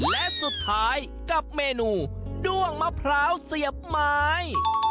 และสุดท้ายกับเมนูด้วงมะพร้าวเสียบไม้